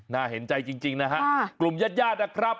น่าเห็นใจจริงนะฮะคุณศิษย์นะครับ